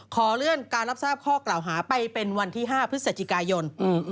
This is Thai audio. ขอเลื่อนการรับทราบข้อกล่าวหาไปเป็นวันที่๕พฤศจิกายน